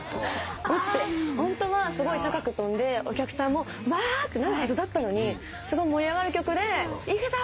ホントはすごい高く飛んでお客さんもわ！ってなるはずだったのにすごい盛り上がる曲で「いくぞ！」